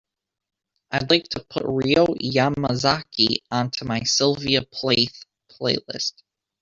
I'd like to put Ryō Yamazaki onto my sylvia plath playlist.